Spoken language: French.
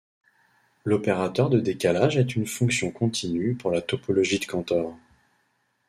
L'opérateur de décalage est une fonction continue pour la topologie de Cantor.